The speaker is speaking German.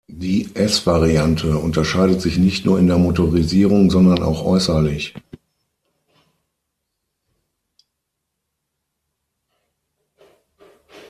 Die "S"-Variante unterscheidet sich nicht nur in der Motorisierung, sondern auch äußerlich.